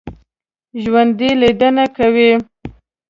ژوندي لیدنې کوي